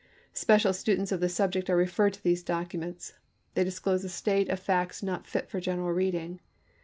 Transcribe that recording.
Special students of the subject are referred to these documents ; they disclose a state of facts not fit for general reading.